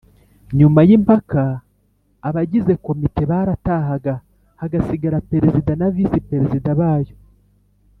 Nyumay’impaka abagize komite baratahaga hagasigara Perezida na Visi-Perezida bayo